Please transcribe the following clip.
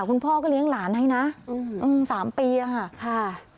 คุณพ่อก็เลี้ยงหลานให้นะ๓ปีค่ะ